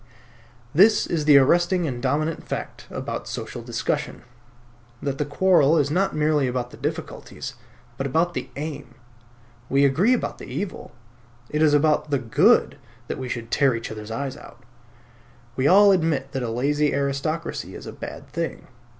This is the arresting and dominant fact about modern social discussion; that the quarrel is not merely about the difficulties, but about the aim. We agree about the evil; it is about the good that we should tear each other's eyes out. We all admit that a lazy aristocracy is a bad thing.